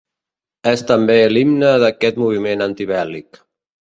És també l'himne d'aquest moviment antibèl·lic.